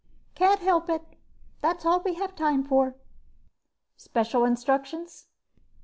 "Can't help it. That's all we have time for." "Special instructions?"